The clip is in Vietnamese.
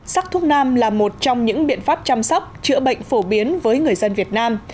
sắc thuốc nam là một trong những biện pháp chăm sóc chữa bệnh phổ biến với người dân việt nam